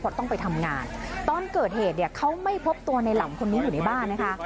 เพราะต้องไปทำงานตอนเกิดเหตุเนี่ยเขาไม่พบตัวในหลังคนนี้อยู่ในบ้านนะคะ